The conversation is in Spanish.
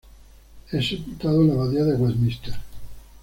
Es sepultado en la Abadía de Westminster.